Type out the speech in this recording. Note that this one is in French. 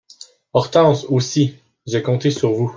Hortense Aussi, j'ai compté sur vous.